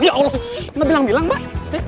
oh ya allah enggak bilang bilang mbak